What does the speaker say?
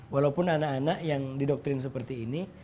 walaupun anak anak yang didoktrin seperti ini